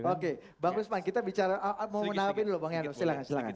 oke bang rusman kita bicara mau menarik dulu bang yano silakan